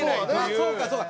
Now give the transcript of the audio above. そうかそうか。